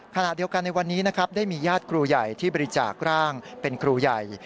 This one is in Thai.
ขณะเดียวกันในวันนี้นะครับได้มีญาติครูใหญ่ที่บริจาคร่างเป็นครูใหญ่